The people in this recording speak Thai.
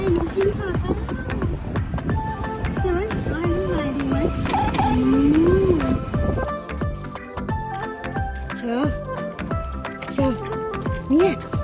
ดูหน่อยดูหน่อย